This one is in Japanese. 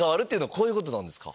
こういうことなんですか。